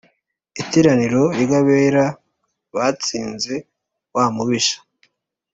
Iteraniro ry’ abera, Batsinze wa mubisha,